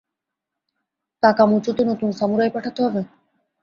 কাকামুচোতে নতুন সামুরাই পাঠাতে হবে?